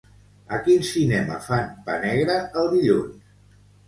A quin cinema fan "Pa negre" el dilluns?